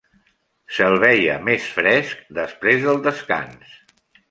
Se'l veia més fresc després del descans.